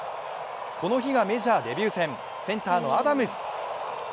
この日がメジャーデビュー戦、センターのアダムス。